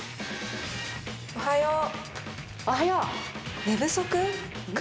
おはよう。